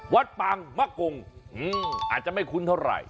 ปังมะกงอาจจะไม่คุ้นเท่าไหร่